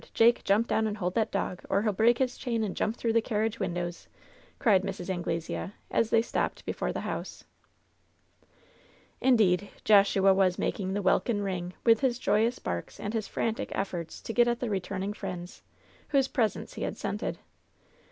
Jake, jump down and hold that dog, or he'll break his chain and jump through the carriage windows!" cried Mrs. Anglesea, as they stopped before the house. Indeed, Joshua was making "the welkin ring^' with his joyous barks and his frantic efforts to get at the returning friends, whose presence he had scented.